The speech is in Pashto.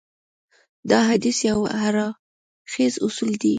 دا حديث يو هراړخيز اصول دی.